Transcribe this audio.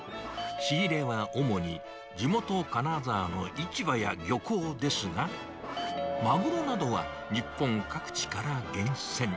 仕入れは主に地元、金沢の市場や漁港ですが、マグロなどは日本各地から厳選。